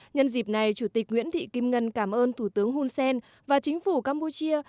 nhân dịp này chủ tịch nguyễn thị kim ngân cảm ơn thủ tướng hun sen và chính phủ campuchia